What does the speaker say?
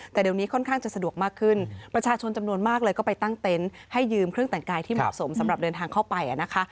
แต่เดี๋ยวนี้ค่อนข้างจะสะดวกมากขึ้นประชาชนจำนวนมากเลยก็ไปตั้งเต็นต์ให้ยืมเครื่องแต่งกายที่เหมาะสมสำหรับเดินทางเข้าไปนะคะ